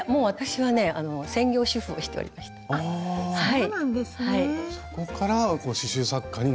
はい。